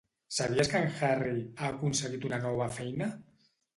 Sabies que en Harry ha aconseguit una nova feina?